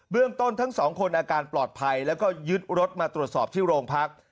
เรื่องต้นทั้งสองคนอาการปลอดภัยแล้วก็ยึดรถมาตรวจสอบที่โรงพัก